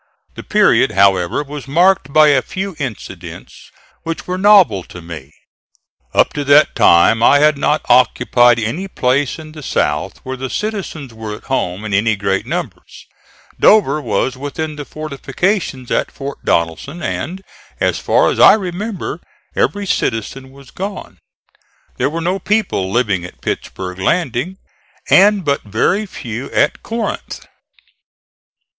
The period, however, was marked by a few incidents which were novel to me. Up to that time I had not occupied any place in the South where the citizens were at home in any great numbers. Dover was within the fortifications at Fort Donelson, and, as far as I remember, every citizen was gone. There were no people living at Pittsburg landing, and but very few at Corinth.